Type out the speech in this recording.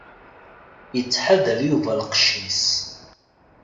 Yettḥadar Yuba lqecc-is.